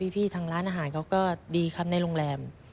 ทางร้านอาหารเขาก็ดีครับในโรงแรม